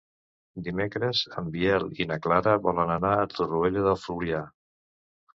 Dimecres en Biel i na Clara volen anar a Torroella de Fluvià.